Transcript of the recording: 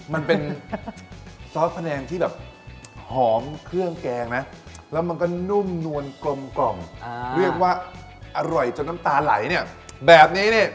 มันเป็นซอสแผนงที่แบบหอมเครื่องแกงนะแล้วมันก็นุ่มนวลกลมกล่อมเรียกว่าอร่อยจนน้ำตาไหลเนี่ยแบบนี้เนี่ย